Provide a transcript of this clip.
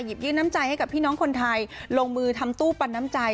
ยื่นน้ำใจให้กับพี่น้องคนไทยลงมือทำตู้ปันน้ำใจ